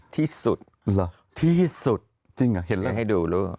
ที่สุดที่สุดให้ดูรู้จริงเหรอให้ดู